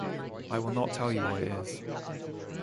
I will not tell you what it is.